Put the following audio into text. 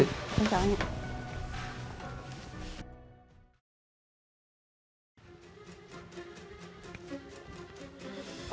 xin chào anh ạ